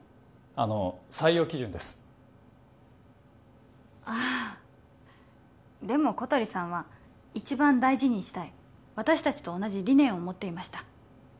あの採用基準ですああでも小鳥さんは一番大事にしたい私達と同じ理念を持っていました